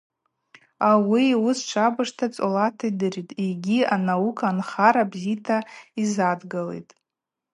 Ауи йуыс швабыж цӏолата йдыритӏ йгьи анаука нхара бзита йзадгалитӏ.